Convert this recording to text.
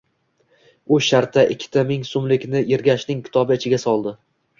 U shartta ikkita ming so‘mlikni Ergashning kitobi ichiga soldi